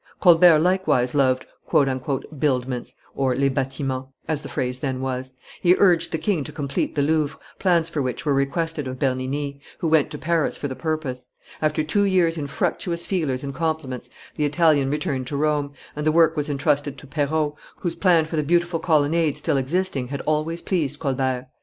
Colbert likewise loved "buildments" (les batiments), as the phrase then was; he urged the king to complete the Louvre, plans for which were requested of Bernini, who went to Paris for the purpose; after two years' infructuous feelers and compliments, the Italian returned to Rome, and the work was intrusted to Perrault, whose plan for the beautiful colonnade still existing had always pleased Colbert.